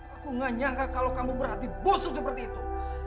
aku tidak menyangka kalau kamu berhati hati busuk seperti itu